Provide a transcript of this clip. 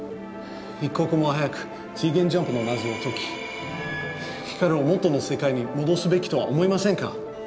一刻も早く次元ジャンプの謎を解き光を元の世界に戻すべきとは思いませんか？